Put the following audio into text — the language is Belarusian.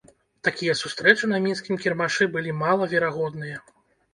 Такія сустрэчы на мінскім кірмашы былі малаверагодныя.